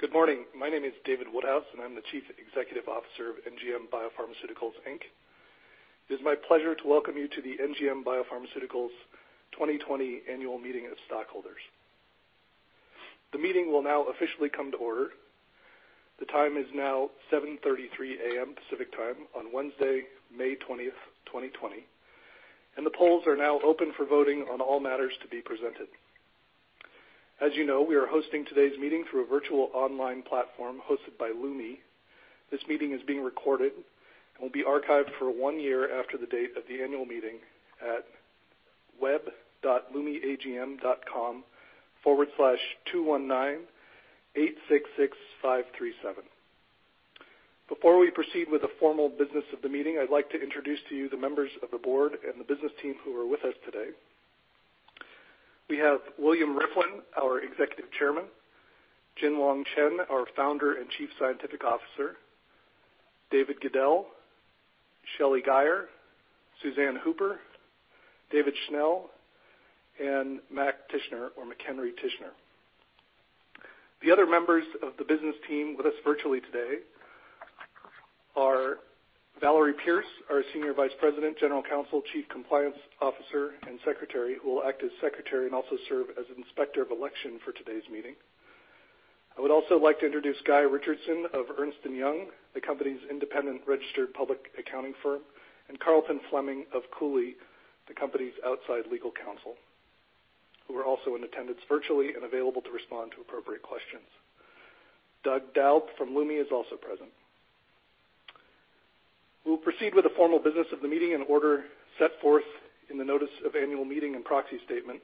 Good morning. My name is David Woodhouse, and I'm the Chief Executive Officer of NGM Biopharmaceuticals, Inc. It is my pleasure to welcome you to the NGM Biopharmaceuticals 2020 Annual Meeting of Stockholders. The meeting will now officially come to order. The time is now 7:33 AM Pacific Time on Wednesday, May 20, 2020, and the polls are now open for voting on all matters to be presented. As you know, we are hosting today's meeting through a virtual online platform hosted by Lumi. This meeting is being recorded and will be archived for one year after the date of the annual meeting at web.lumiagm.com/219866537. Before we proceed with the formal business of the meeting, I'd like to introduce to you the members of the board and the business team who are with us today. We have William Rieflin, our Executive Chairman, Jin-Long Chen, our Founder and Chief Scientific Officer, David Goeddel, Shelly Guyer, Suzanne Hooper, David Schnell, and Mac Tichenor, or McHenry Tichenor. The other members of the business team with us virtually today are Valerie Pierce, our Senior Vice President, General Counsel, Chief Compliance Officer, and Secretary, who will act as secretary and also serve as inspector of election for today's meeting. I would also like to introduce Guy Richardson of Ernst & Young, the company's independent registered public accounting firm, and Carlton Fleming of Cooley, the company's outside legal counsel, who are also in attendance virtually and available to respond to appropriate questions. Doug Daub from Lumi is also present. We will proceed with the formal business of the meeting in order set forth in the notice of annual meeting and proxy statement.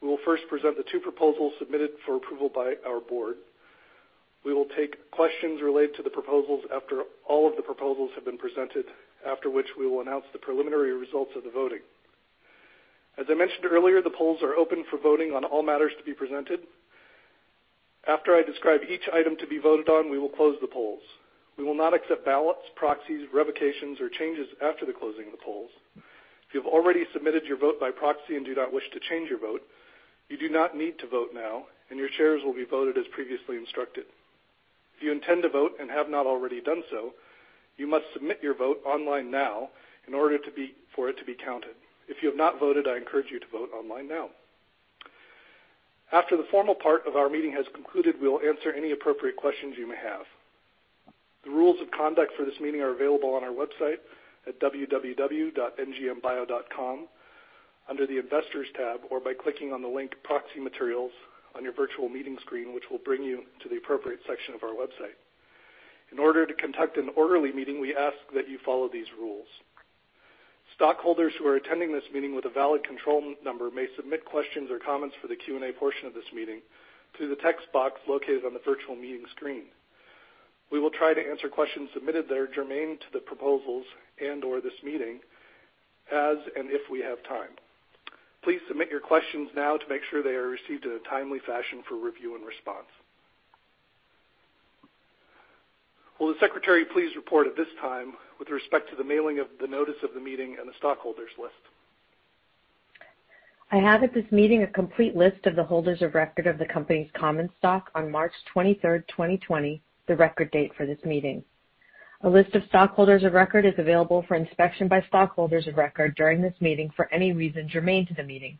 We will first present the two proposals submitted for approval by our board. We will take questions related to the proposals after all of the proposals have been presented, after which we will announce the preliminary results of the voting. As I mentioned earlier, the polls are open for voting on all matters to be presented. After I describe each item to be voted on, we will close the polls. We will not accept ballots, proxies, revocations, or changes after the closing of the polls. If you've already submitted your vote by proxy and do not wish to change your vote, you do not need to vote now, and your shares will be voted as previously instructed. If you intend to vote and have not already done so, you must submit your vote online now in order for it to be counted. If you have not voted, I encourage you to vote online now. After the formal part of our meeting has concluded, we will answer any appropriate questions you may have. The rules of conduct for this meeting are available on our website at www.ngmbio.com under the Investors tab or by clicking on the link Proxy Materials on your virtual meeting screen, which will bring you to the appropriate section of our website. In order to conduct an orderly meeting, we ask that you follow these rules. Stockholders who are attending this meeting with a valid control number may submit questions or comments for the Q&A portion of this meeting through the text box located on the virtual meeting screen. We will try to answer questions submitted that are germane to the proposals and/or this meeting as and if we have time. Please submit your questions now to make sure they are received in a timely fashion for review and response. Will the secretary please report at this time with respect to the mailing of the notice of the meeting and the stockholders list? I have at this meeting a complete list of the holders of record of the company's common stock on March 23rd, 2020, the record date for this meeting. A list of stockholders of record is available for inspection by stockholders of record during this meeting for any reason germane to the meeting.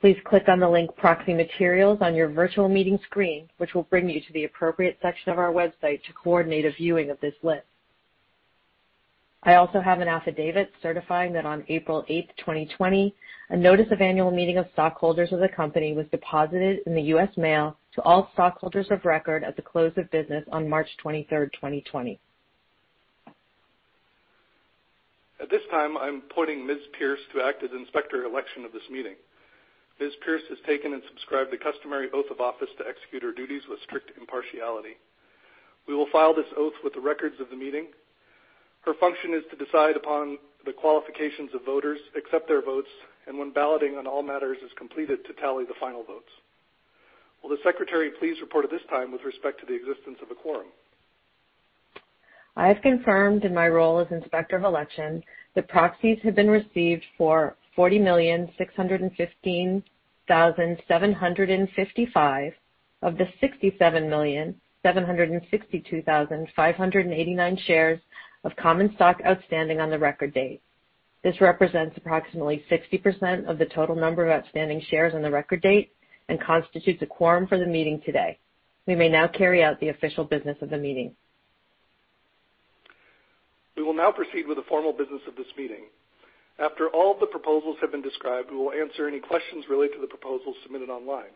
Please click on the link Proxy Materials on your virtual meeting screen, which will bring you to the appropriate section of our website to coordinate a viewing of this list. I also have an affidavit certifying that on April 8th, 2020, a notice of annual meeting of stockholders of the company was deposited in the U.S. mail to all stockholders of record at the close of business on March 23rd, 2020. At this time, I'm appointing Ms. Pierce to act as inspector of election of this meeting. Ms. Pierce has taken and subscribed the customary oath of office to execute her duties with strict impartiality. We will file this oath with the records of the meeting. Her function is to decide upon the qualifications of voters, accept their votes, and when balloting on all matters is completed, to tally the final votes. Will the secretary please report at this time with respect to the existence of a quorum? I have confirmed in my role as inspector of election that proxies have been received for 40,615,755 of the 67,762,589 shares of common stock outstanding on the record date. This represents approximately 60% of the total number of outstanding shares on the record date and constitutes a quorum for the meeting today. We may now carry out the official business of the meeting. We will now proceed with the formal business of this meeting. After all of the proposals have been described, we will answer any questions related to the proposals submitted online.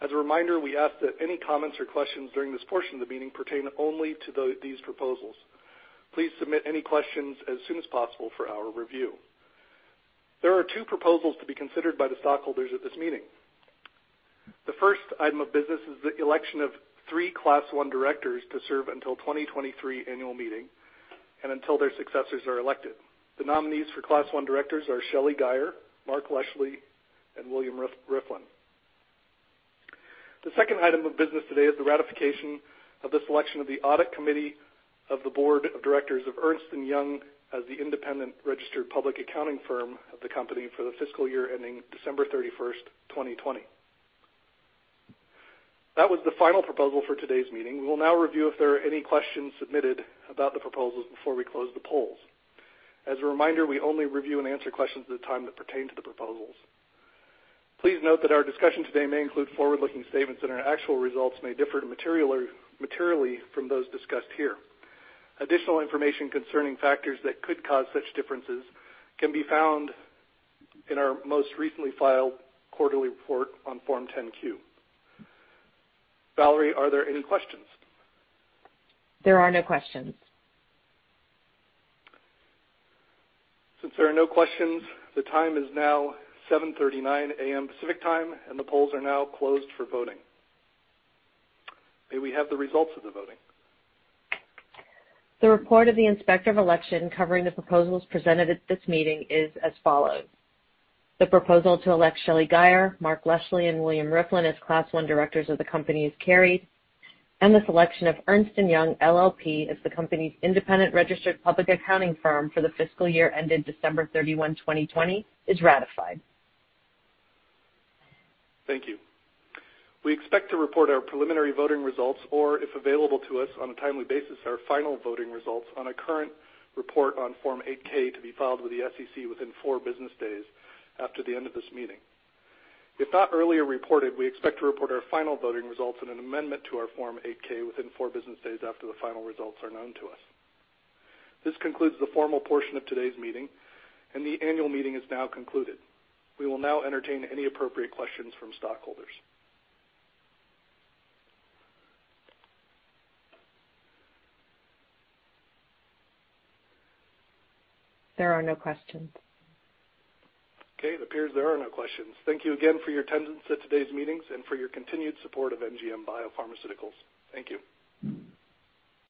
As a reminder, we ask that any comments or questions during this portion of the meeting pertain only to these proposals. Please submit any questions as soon as possible for our review. There are two proposals to be considered by the stockholders at this meeting. The first item of business is the election of three Class I directors to serve until 2023 annual meeting and until their successors are elected. The nominees for Class I directors are Shelly Guyer, Mark Leschly, and William Rieflin. The second item of business today is the ratification of the selection of the Audit Committee of the board of directors of Ernst & Young as the independent registered public accounting firm of the company for the fiscal year ending December 31, 2020. That was the final proposal for today's meeting. We will now review if there are any questions submitted about the proposals before we close the polls. As a reminder, we only review and answer questions at the time that pertain to the proposals. Please note that our discussion today may include forward-looking statements and our actual results may differ materially from those discussed here. Additional information concerning factors that could cause such differences can be found in our most recently filed quarterly report on Form 10-Q. Valerie, are there any questions? There are no questions. Since there are no questions, the time is now 7:39 A.M. Pacific Time. The polls are now closed for voting. May we have the results of the voting? The report of the Inspector of Election covering the proposals presented at this meeting is as follows. The proposal to elect Shelly Guyer, Mark Leschly, and William Rieflin as Class I directors of the company is carried, and the selection of Ernst & Young LLP as the company's independent registered public accounting firm for the fiscal year ended December 31, 2020, is ratified. Thank you. We expect to report our preliminary voting results, or, if available to us on a timely basis, our final voting results on a current report on Form 8-K to be filed with the SEC within four business days after the end of this meeting. If not earlier reported, we expect to report our final voting results in an amendment to our Form 8-K within four business days after the final results are known to us. This concludes the formal portion of today's meeting and the annual meeting is now concluded. We will now entertain any appropriate questions from stockholders. There are no questions. It appears there are no questions. Thank you again for your attendance at today's meetings and for your continued support of NGM Biopharmaceuticals. Thank you.